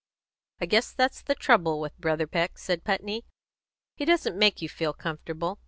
"I guess that's the trouble with Brother Peck," said Putney. "He doesn't make you feel comfortable.